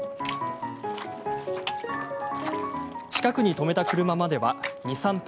近くに止めた車までは２３分。